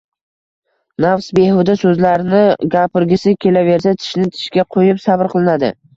Nafs behuda so‘zlarni gapirgisi kelaversa, tishni tishga qo‘yib sabr qilinadi.